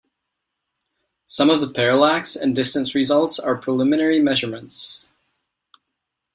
Some of the parallax and distance results are preliminary measurements.